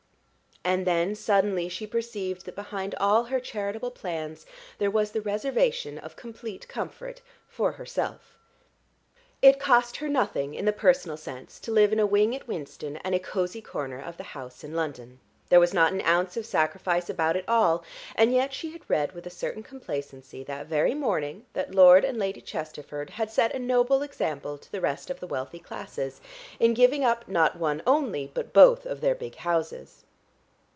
And then suddenly she perceived that behind all her charitable plans there was the reservation of complete comfort for herself. It cost her nothing, in the personal sense, to live in a wing at Winston and a cosy corner of the house in London. There was not an ounce of sacrifice about it all, and yet she had read with a certain complacency that very morning, that Lord and Lady Chesterford had set a noble example to the rest of the wealthy classes, in giving up not one only but both of their big houses.